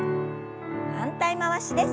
反対回しです。